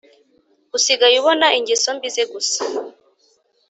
usigaye ubona ingeso mbi ze gusa